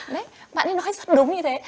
đấy bạn ấy nói rất đúng như thế